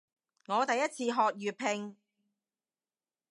我第一次學粵拼